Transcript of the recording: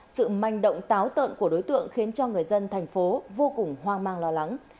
sự manh động táo tợn của đối tượng khiến cho người dân thành phố vô cùng hoang mang lo lắng